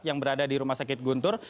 yang berada di rumah sakit guntur